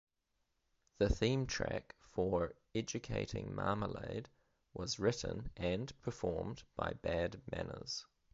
The theme track for "Educating Marmalade" was written and performed by Bad Manners.